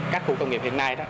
các khu công nghiệp hiện nay